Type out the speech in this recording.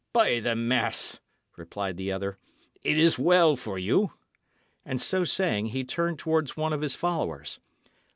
"By the mass!" replied the other, "it is well for you." And so saying, he turned towards one of his followers.